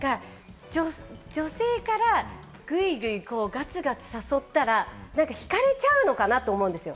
女性からグイグイ、ガツガツ誘ったら引かれちゃうのかなって思うんですよ。